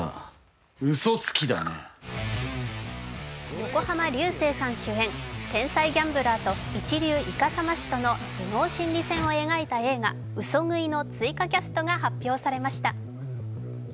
横浜流星さん主演、天才ギャンブラーと一流いかさま師との頭脳心理戦を描いた映画「嘘喰い」の追加キャストが発表されました。